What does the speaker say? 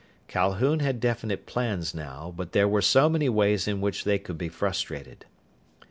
Calhoun had definite plans, now, but there were so many ways in which they could be frustrated.